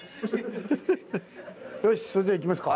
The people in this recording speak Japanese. よしそれじゃ行きますか。